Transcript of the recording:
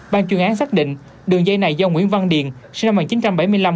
ban chuyên án xác định đường dây này do nguyễn văn điền sinh năm một nghìn chín trăm bảy mươi năm